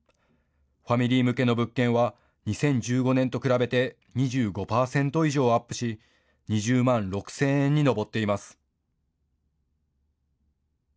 ファミリー向けの物件は２０１５年と比べて２５％以上アップし２０万６０００円に上っています。